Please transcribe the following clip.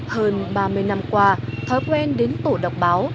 hơn ba mươi năm qua thói quen đến tổ đọc báo